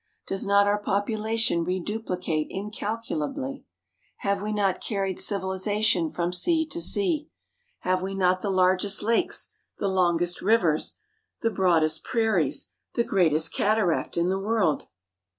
Does not our population reduplicate incalculably? Have we not carried civilization from sea to sea? Have we not the largest lakes, the longest rivers, the broadest prairies, the greatest cataract, in the world?